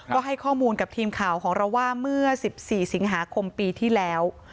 ก็ให้ข้อมูลกับทีมข่าวของเราว่าเมื่อ๑๔สิงหาคมปีที่แล้ว